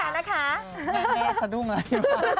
แม่กระดุ้งเลย